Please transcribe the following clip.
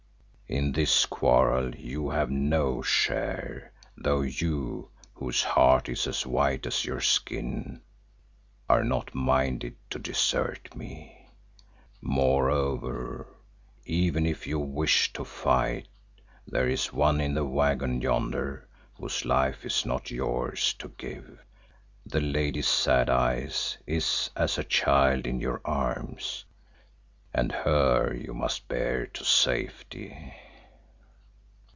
In this quarrel you have no share, though you, whose heart is as white as your skin, are not minded to desert me. Moreover, even if you wished to fight, there is one in the waggon yonder whose life is not yours to give. The Lady Sad Eyes is as a child in your arms and her you must bear to safety."